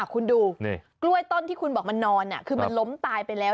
คุณดูกล้วยต้นที่คุณบอกมันนอนคือมันล้มตายไปแล้ว